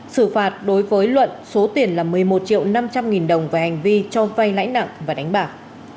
xử phạt đối với luận số tiền là một mươi một triệu năm trăm linh nghìn đồng về hành vi cho vay lãi nặng và đánh bạc